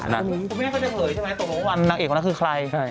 อ๋อนั่นคุณแม่เขาจะเผยใช่ไหมตรงวันนางเอกคนนั้นคือใคร